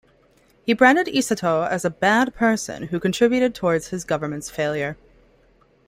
He branded Isatou as a "bad person" who contributed towards his government's failure.